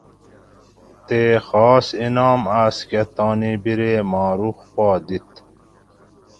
تے خاص انعام آۤسکہ تانی بِرے ماہ رخ پا دِیت